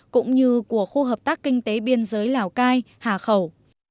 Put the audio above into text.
cũng như của khu hợp tác kinh tế biên giới lào cai hà khẩu